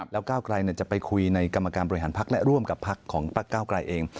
แล้วก้าวไกลจะไปคุยในกรรมการบริหารพักและร่วมกับพักของพักเก้าไกลเอง